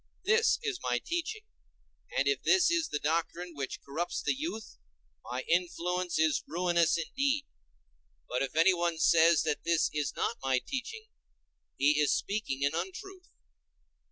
This is my teaching, and if this is the doctrine which corrupts the youth, my influence is ruinous indeed. But if anyone says that this is not my teaching, he is speaking an untruth.